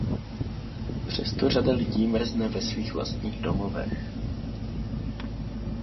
Přesto řada lidí mrzne ve svých vlastních domovech.